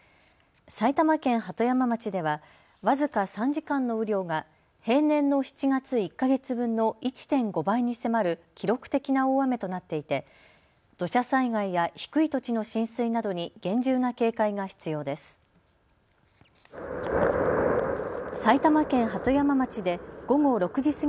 埼玉県鳩山町では僅か３時間の雨量が平年の７月１か月分の１．５倍に迫る記録的な大雨となっていて土砂災害や低い土地の浸水などに厳重な警戒が必要です。